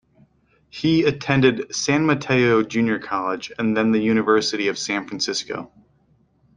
He attended San Mateo Junior College and then the University of San Francisco.